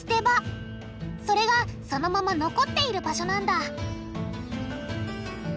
それがそのまま残っている場所なんだ